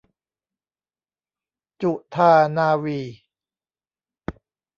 จุฑานาวี